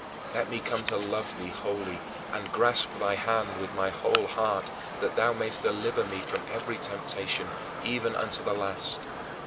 Let me come to love thee wholly, and grasp thy hand with my whole heart that thou mayest deliver me from every temptation, even unto the last.